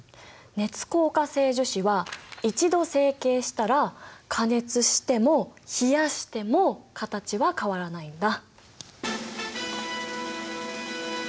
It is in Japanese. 熱硬化性樹脂は一度成型したら加熱しても冷やしても形は変わらないんだ。